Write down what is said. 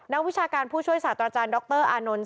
วิชาการผู้ช่วยศาสตราจารย์ดรอานนท์